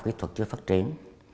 kỹ thuật chưa phát triển